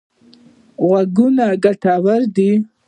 غوږونه ګټور دي.